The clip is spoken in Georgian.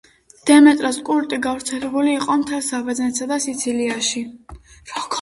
დემეტრას კულტი გავრცელებული იყო მთელ საბერძნეთსა და სიცილიაში.